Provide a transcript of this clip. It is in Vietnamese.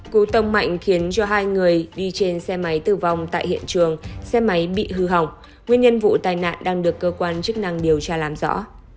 cú tông mạnh khiến cho hai người đi trên xe máy tử vong tại hiện trường xe máy bị hư hỏng nguyên nhân vụ tai nạn đang được cơ quan chức năng điều tra làm rõ